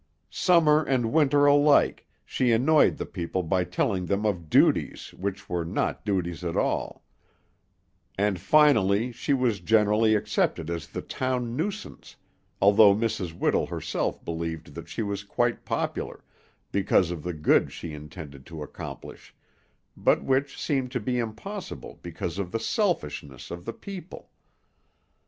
Summer and winter alike, she annoyed the people by telling them of "duties" which were not duties at all; and finally she was generally accepted as the town nuisance, although Mrs. Whittle herself believed that she was quite popular because of the good she intended to accomplish, but which seemed to be impossible because of the selfishness of the people.